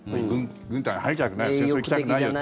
軍隊に入りたくない戦争に行きたくないと。